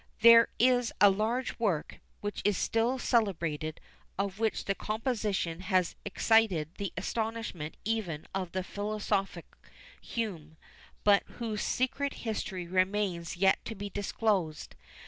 There is a large work, which is still celebrated, of which the composition has excited the astonishment even of the philosophic Hume, but whose secret history remains yet to be disclosed.